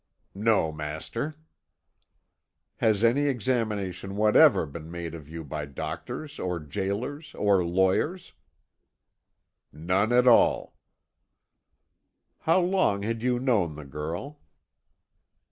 "No, master." "Has any examination whatever been made of you by doctors or gaolers or lawyers?" "None at all." "How long had you known the girl?"